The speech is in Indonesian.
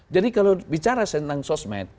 jadi kalau bicara tentang sosmed